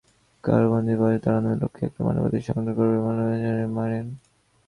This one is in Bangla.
কারাবন্দীদের পাশে দাঁড়ানোর লক্ষ্যে একটি মানবাধিকার সংগঠন গড়বেন বলেও জানিয়েছেন মারিয়া অ্যালভোকিনা।